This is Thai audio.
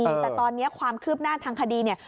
แต่ตอนนี้ความคืบหน้าทางคดีเนี่ย